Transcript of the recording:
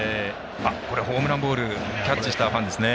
ホームランボールキャッチしたファンですね。